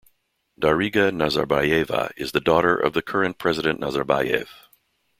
Dariga Nazarbayeva is the daughter of the current President Nazarbayev.